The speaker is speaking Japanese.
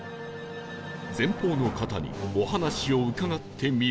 前方の方にお話を伺ってみると